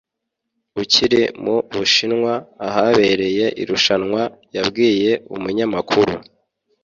ukiri mu bushinwa ahabereye irushanwa yabwiye umunyamakuru